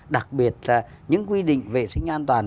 đặc biệt là những quy định vệ sinh an toàn